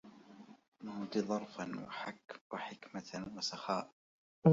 مودِ ظَرفاً وحكمةً وسخاءَ